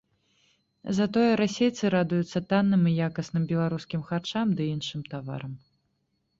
Затое расейцы радуюцца танным і якасным беларускім харчам ды іншым таварам.